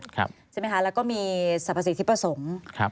ใช่ไหมคะแล้วก็มีสรรพสิทธิประสงค์